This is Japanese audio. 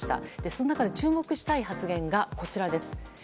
その中で、注目したい発言が、こちらです。